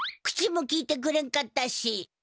口もきいてくれんかったし。